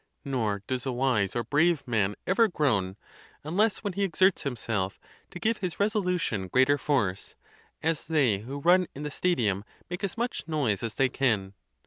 Nor does a wise or brave man ever groan, unless when he exerts himself to give his resolution greater force, as they who run in the stadium make as much noise as they can.